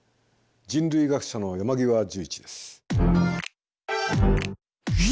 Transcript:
人類学者の山極壽一です。